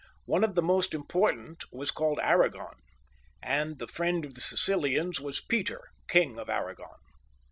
One of the most important was called Arragon, and the friend of the Sicilians was Peter, King of Arragon.